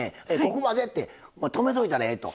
ここまでって止めといたらええと。